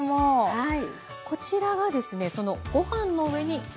はい。